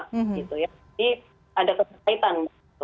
jadi ada kesaitan